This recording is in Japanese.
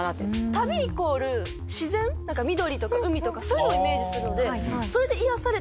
旅イコール自然緑とか海とかそういうのをイメージするのでそれで癒やされた！